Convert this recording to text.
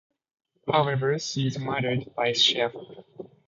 However, she is murdered by Shafer.